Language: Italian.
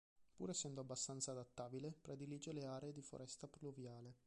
Pur essendo abbastanza adattabile, predilige le aree di foresta pluviale.